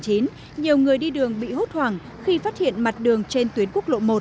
hai mươi một tháng chín nhiều người đi đường bị hút hoảng khi phát hiện mặt đường trên tuyến quốc lộ một